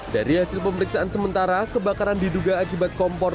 dari hasil pemeriksaan sementara kebakaran diduga akibat kompor